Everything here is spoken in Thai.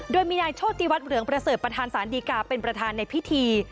โดยมีนายโชติวัฒนเหลืองประเสริฐประธานศาลดีกาเป็นประธานในพิธี